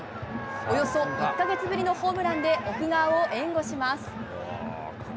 およそ１か月ぶりのホームランで奥川を援護します。